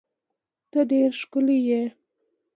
ته ډیر ښکلی یی